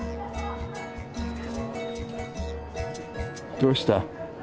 どうした？